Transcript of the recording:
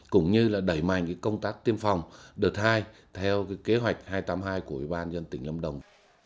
cũng như là đẩy mạnh cái công tác tiêm phòng đợt hai theo cái kế hoạch hai trăm tám mươi hai của ủy ban dân tỉnh lâm đồng